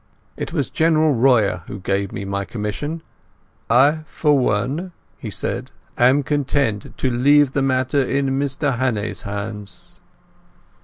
It was General Royer who gave me my commission. "I for one," he said, "am content to leave the matter in Mr Hannay's hands."